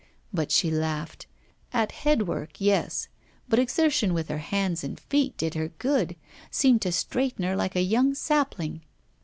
But she laughed; at headwork, yes; but exertion with her hands and feet did her good, seemed to straighten her like a young sapling.